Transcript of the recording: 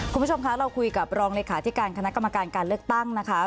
คุณผู้ชมคะเราคุยกับรองเลขาธิการคณะกรรมการการเลือกตั้งนะคะ